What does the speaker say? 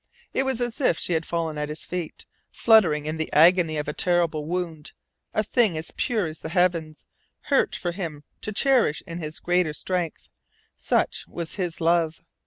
It was as if she had fallen at his feet, fluttering in the agony of a terrible wound, a thing as pure as the heavens, hurt for him to cherish in his greater strength such was his love.